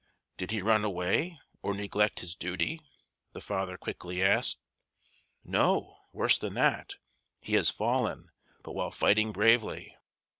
"Did he run away or neglect his duty?" the father asked quickly. "No; worse than that! He has fallen, but while fighting bravely."